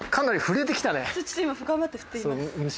ちょっと今頑張って振っています。